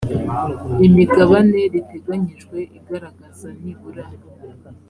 imigabane riteganyijwe igaragaza nibura